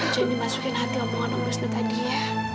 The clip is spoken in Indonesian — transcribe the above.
janin masukin hati omongan om wisnu tadi ya